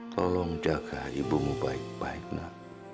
tolong jaga ibumu baik baik nak